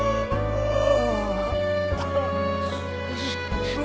ああ。